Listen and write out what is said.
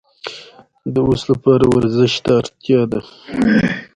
ازادي راډیو د ورزش د پراختیا اړتیاوې تشریح کړي.